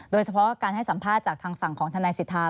โดยเฉพาะการให้สัมภาษณ์จากทางฝั่งของทนายสิทธา